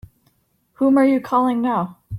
Whom are you calling now?